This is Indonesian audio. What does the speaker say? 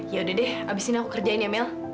ya udah deh abis ini aku kerjain ya mel